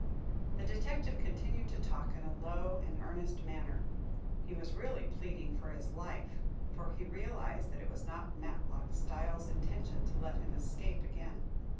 The detective continued to talk, in a low and earnest manner. He was really pleading for his life, for he realized that it was not Matlock Styles' intention to let him escape again.